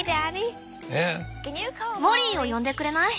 モリーを呼んでくれない？